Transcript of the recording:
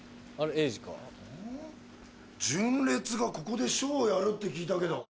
えいじか。がここでショーやるって聞いたけど。